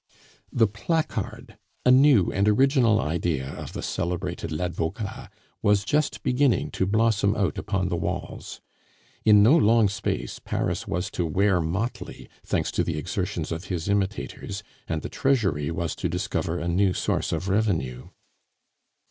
The placard, a new and original idea of the celebrated Ladvocat, was just beginning to blossom out upon the walls. In no long space Paris was to wear motley, thanks to the exertions of his imitators, and the Treasury was to discover a new source of revenue.